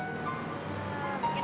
enggak gue gak mau